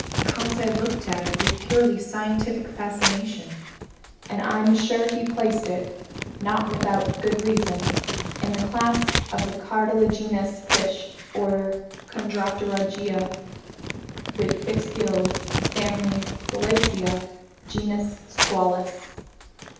Conseil looked at it with purely scientific fascination, and I'm sure he placed it, not without good reason, in the class of cartilaginous fish, order Chondropterygia with fixed gills, family Selacia, genus Squalus.